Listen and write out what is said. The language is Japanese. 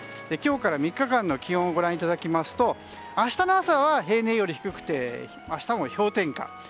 今日から３日間の気温をご覧いただきますと明日の朝は平年より低くて明日も氷点下。